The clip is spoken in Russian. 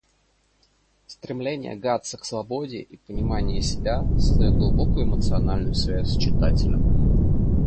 Стремление Гатса к свободе и понимание себя создают глубокую эмоциональную связь с читателем.